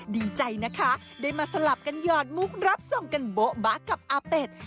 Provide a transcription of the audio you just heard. ดีใจนะคะได้มาสลับกันหยอดมุกรับส่งกันโบ๊ะบะกับอาเป็ด